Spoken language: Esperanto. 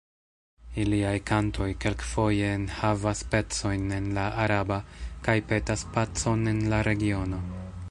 Iliaj kantoj kelk-foje enhavas pecojn en la araba, kaj petas pacon en la regiono.